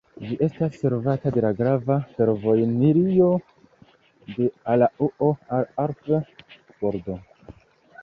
Ĝi estas servata de la grava fervojlinio de Araŭo al Arth-Goldau.